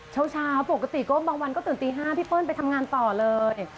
เช้าปกติก็บางวันก็ตื่นตี๕พี่เปิ้ลไปทำงานต่อเลย